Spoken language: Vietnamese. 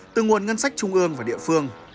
từ nguồn ngân sách trung ương và địa phương